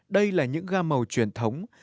đây là những ga màu truyền thống